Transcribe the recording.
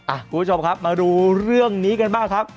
คุณผู้ชมครับมาดูเรื่องนี้กันบ้างครับ